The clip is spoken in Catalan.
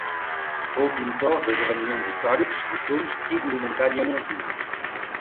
Fou pintor d’esdeveniments històrics, costums i indumentària menorquina.